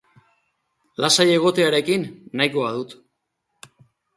Lasai egotearekin nahikoa dut.